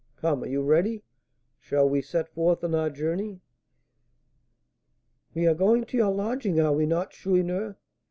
Come, are you ready? Shall we set forth on our journey?" "We are going to your lodging, are we not, Chourineur?"